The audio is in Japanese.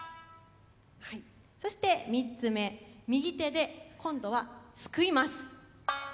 はいそして３つ目右手で今度はすくいます。